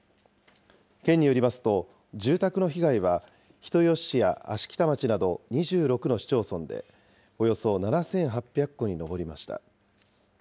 県によりますと、住宅の被害は人吉市や芦北町など２６の市町村で、およそ７８００戸に上りました。